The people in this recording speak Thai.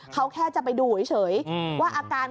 เขาแค่จะไปดูเฉยว่าอาการ